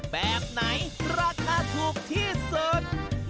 แบบไหนราคาถูกที่สุด